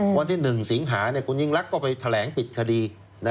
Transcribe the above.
วันที่๑สิงหาคุณยิ่งรักก็ไปแถลงปิดคดี